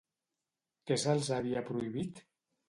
Què se'ls havia prohibit?